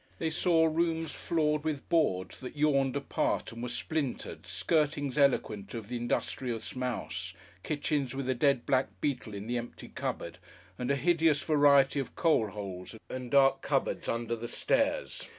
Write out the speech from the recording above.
They saw rooms floored with boards that yawned apart and were splintered, skirtings eloquent of the industrious mouse, kitchens with a dead black beetle in the empty cupboard, and a hideous variety of coal holes and dark cupboards under the stairs.